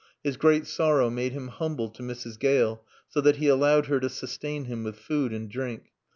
His great sorrow made him humble to Mrs. Gale so that he allowed her to sustain him with food and drink.